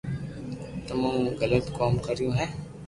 تمو موٽو غلط ڪوم ڪريو ھي